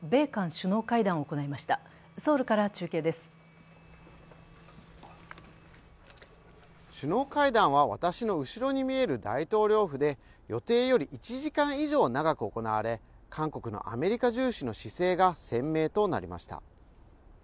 首脳会談は私の後ろに見える大統領府で予定より１時間以上長く行われ、韓国のアメリカ重視の姿勢が鮮明となりました。